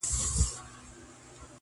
ورور ځان ته سزا ورکوي تل,